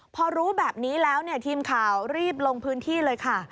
พอรู้แบบนี้แล้วทีมข่าวรีบลงพื้นที่เลยค่ะ